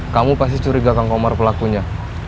kamu pasti curiga kang komar pelakunya